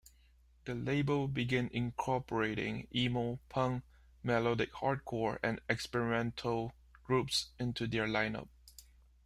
The label began incorporating emo, punk, melodic hardcore, and experimental groups into their line-up.